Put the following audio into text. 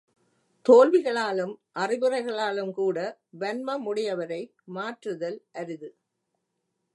தோல்விகளாலும் அறிவுரைகளாலும் கூட வன்மமுடையவரை மாற்றுதல் அரிது.